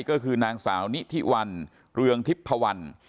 ก็คือนางสาวนิทิวันเรืองทิพพวัน